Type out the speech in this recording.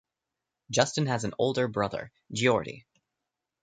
Justin has an older brother, Geordie.